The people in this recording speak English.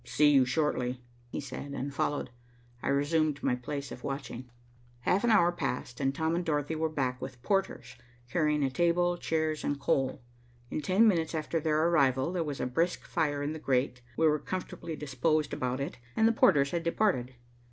"See you shortly," he said, and followed. I resumed my place of watching. Half an hour passed, and Tom and Dorothy were back with porters carrying a table, chairs and coal. In ten minutes after their arrival, there was a brisk fire in the grate, we were comfortably disposed about it, and the porters had departed.